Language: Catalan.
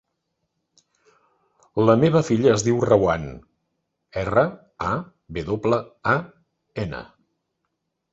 La meva filla es diu Rawan: erra, a, ve doble, a, ena.